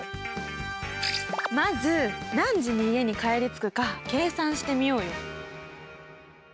まず何時に家に帰り着くか計算してみようよ。